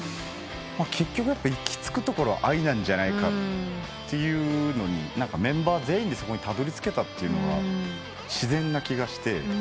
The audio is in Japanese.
結局行き着くところは愛なんじゃないかっていうのにメンバー全員でそこにたどりつけたというのが自然な気がして。